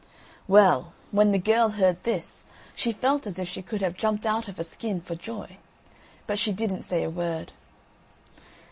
Well, when the girl heard this, she felt as if she could have jumped out of her skin for joy, but she didn't say a word.